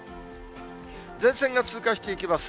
前線が通過していきます。